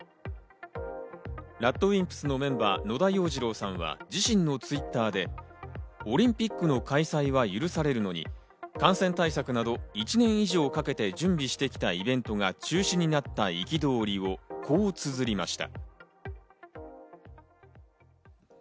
ＲＡＤＷＩＭＰＳのメンバーの野田洋次郎さんは自身のＴｗｉｔｔｅｒで、オリンピックの開催は許されるのに、感染対策など１年以上かけて準備してきたイベントが中止になった憤りをこう綴りました。